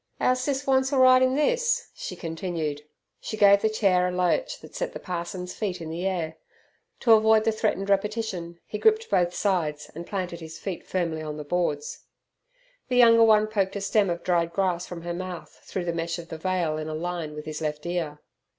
"Our Sis wants er ride in this," she continued. She gave the chair a lurch that sent the parson's feet in the air. To avoid the threatened repetition he gripped both sides and planted his feet firmly on the boards. The younger one poked a stem of dried grass from her mouth through the mesh of the veil in a line with his left ear.